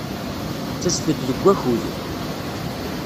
Ttaset-d deg wakud.